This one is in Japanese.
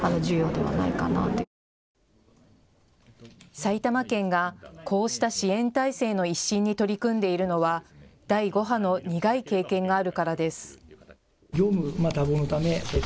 埼玉県が、こうした支援体制の一新に取り組んでいるのは第５波の苦い経験があるからです。